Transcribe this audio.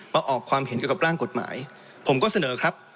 ออกความเห็นเกี่ยวกับร่างกฎหมายผมก็เสนอครับ